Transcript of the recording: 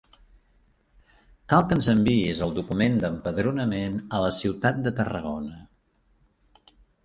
Cal que ens enviïs el document d'empadronament a la ciutat de Tarragona.